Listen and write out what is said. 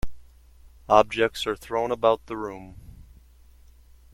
Objects are thrown about the room.